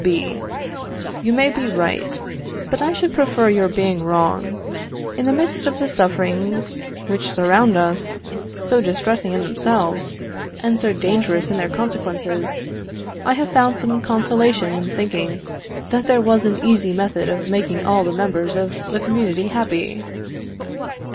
B. You may be right, but I should prefer your being wrong. In the midst of the sufferings which surround us, so distressing in themselves, and so dangerous in their consequences, I have found some consolation in thinking that there was an easy method of making all the members of the community happy.